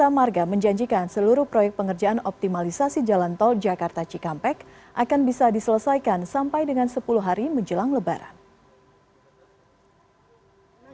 jasa marga menjanjikan seluruh proyek pengerjaan optimalisasi jalan tol jakarta cikampek akan bisa diselesaikan sampai dengan sepuluh hari menjelang lebaran